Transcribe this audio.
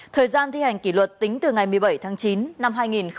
thời gian thi hành kỷ luật tính từ ngày một mươi bảy tháng chín năm hai nghìn một mươi chín